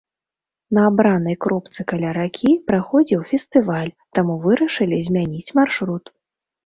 На абранай кропцы каля ракі праходзіў фестываль, таму вырашылі змяніць маршрут.